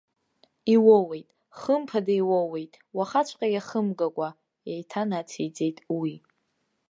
Иуоуеит, хымԥада иуоуеит, уахаҵәҟьа иахымгакәа, еиҭанациҵеит уи.